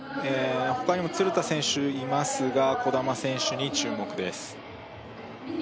他にも鶴田選手いますが兒玉選手に注目です